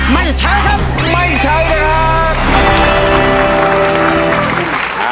ไม่ใช้ครับไม่ใช้ครับ